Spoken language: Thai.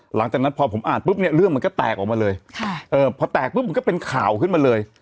หลังจากนั้นพอผมอ่านปุ๊บเนี่ยเรื่องมันก็แตกออกมาเลยพอแตกปุ๊บมันก็เป็นข่าวขึ้นมาเลย